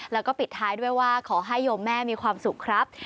แล้วก็ปิดท้ายด้วยว่าขอให้โยมแม่มีความสุขครับ